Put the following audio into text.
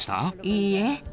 いいえ。